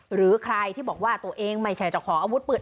หรือใครที่บอกว่าตัวเองไม่ใช่เจ้าของอาวุธปืน